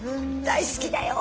大好きだよ。